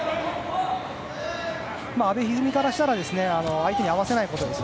阿部一二三からしたら相手に合わせないことです。